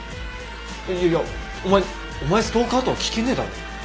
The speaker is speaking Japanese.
いやいや「お前お前ストーカー？」とは聞けねえだろ。